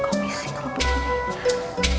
komisi kalau begini